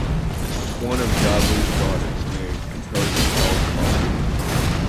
One of Gobley's daughters married composer Paul Collin.